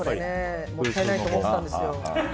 もったいないと思ってたんです。